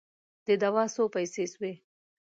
د دوا څو پیسې سوې؟